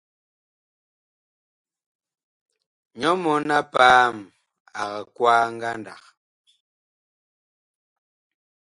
Nyɔ mɔn-a-paam ag kwaa ngandag.